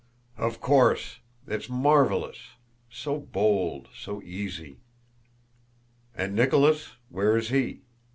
"Of course! It's marvelous. So bold, so easy!" "And Nicholas? Where is he?